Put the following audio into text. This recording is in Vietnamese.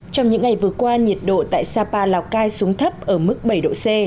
trong những ngày vừa qua nhiệt độ tại sapa lào cai xuống thấp ở mức bảy độ c